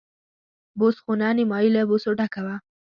بوس خونه نیمایي له بوسو ډکه وه.